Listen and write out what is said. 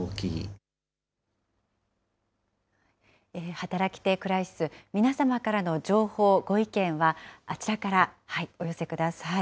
働き手クライシス、皆様からの情報、ご意見は、あちらからお寄せください。